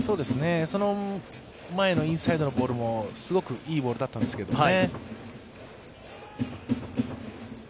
その前のインサイドのボールも、すごくいいボールだったんですけどね。